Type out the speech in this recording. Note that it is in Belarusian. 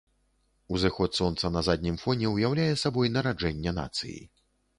Узыход сонца на заднім фоне ўяўляе сабой нараджэнне нацыі.